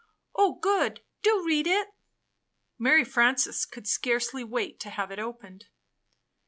"Oh, good! Do read it!" Mary Frances could scarcely wait to have it opened.